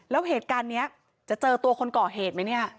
แล้วเหตุการณ์นี้จะเจอตัวคนก่อเหตุไหมเนี่ย